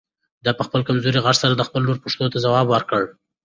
ده په خپل کمزوري غږ سره د خپلې لور پوښتنو ته ځواب ورکاوه.